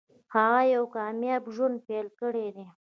هغه یو کامیاب ژوند پیل کړی دی